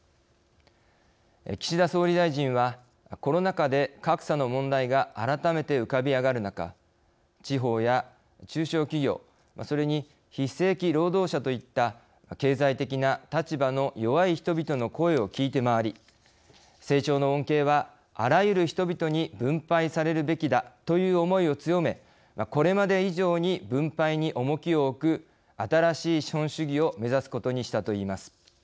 岸田総理大臣はコロナ禍で格差の問題が改めて浮かび上がる中地方や中小企業それに非正規労働者といった経済的な立場の弱い人々の声を聞いて回り成長の恩恵はあらゆる人々に分配されるべきだという思いを強めこれまで以上に分配に重きを置く新しい資本主義を目指すことにしたといいます。